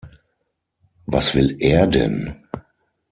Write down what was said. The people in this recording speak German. Was will er denn?